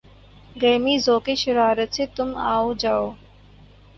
گرمیِ ذوقِ شرارت سے تُم آؤ جاؤ